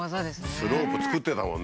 スロープ作ってたもんね。